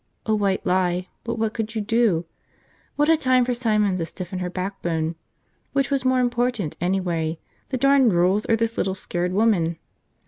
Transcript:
A white lie, but what could you do? What a time for Simon to stiffen her backbone! Which was more important, anyway, the darn rules or this little scared woman?